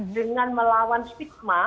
dengan melawan stigma